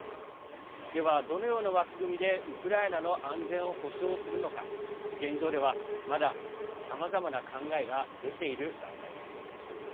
では、どのような枠組みでウクライナの安全を保障するのか現状ではまだ、さまざまな考えが出ている段階です。